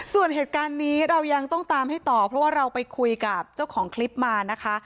ส่วนเหตุการณ์นี้เรายังต้องตามให้ต่อเพราะว่าเราไปคุยกับเจ้าของคลิปมานะคะ